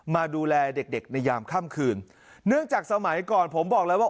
มาดูแลเด็กเด็กในยามค่ำคืนเนื่องจากสมัยก่อนผมบอกแล้วว่า